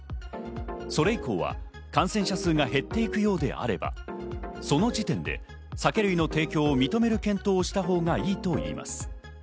それ以降は感染者数が減っていくようであれば、その時点で酒類の提供を認める検討をしたほうがいいといいます。